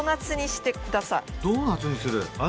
ドーナツにする。